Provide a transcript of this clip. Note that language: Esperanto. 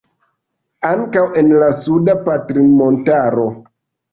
Ankaŭ en la Suda Patrinmontaro.